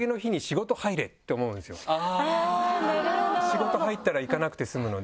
仕事入ったら行かなくて済むので。